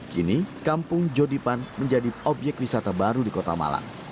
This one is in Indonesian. kini kampung jodipan menjadi obyek wisata baru di kota malang